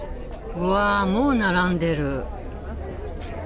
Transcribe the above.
うわもう並んでる。